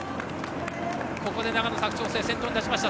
ここで長野の佐久長聖が先頭に立ちました。